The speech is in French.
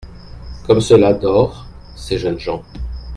—comme cela dort, ces jeunes gens !